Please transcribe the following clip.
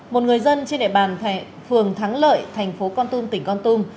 một người dân trên địa bàn phường thắng lợi thành phố con tum tỉnh con tum